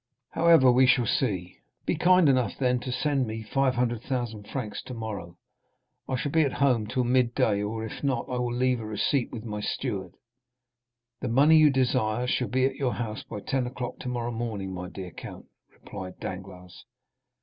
However, we shall see. Be kind enough, then, to send me 500,000 francs tomorrow. I shall be at home till midday, or if not, I will leave a receipt with my steward." "The money you desire shall be at your house by ten o'clock tomorrow morning, my dear count," replied Danglars.